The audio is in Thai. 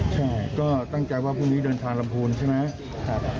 ใช่ก็ตั้งใจว่าพรุ่งนี้เดินทางลำพูนใช่ไหม